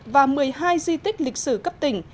và một mươi hai di tích lịch sử cấp tỉnh